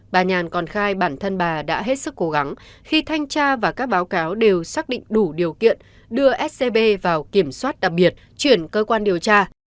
bà nhàn còn khai bản thân bà đã hết sức cố gắng khi thanh tra và các báo cáo đều xác định đủ điều kiện đưa scb vào kiểm soát đặc biệt chuyển cơ quan điều tra